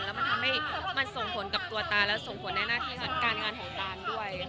แล้วมันทำให้มันส่งผลกับตัวตาและส่งผลในหน้าที่การงานของตานด้วย